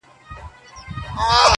پر سجدوی وي زیارتو کي د پیرانو!.